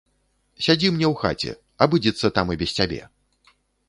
Сядзі мне ў хаце, абыдзецца там і без цябе.